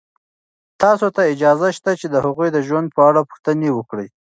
تاسو ته اجازه شته چې د هغوی د ژوند په اړه پوښتنې وکړئ.